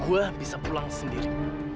gue bisa pulang sendiri